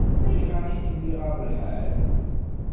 Ayɣer i kem-iɣaḍ lḥal?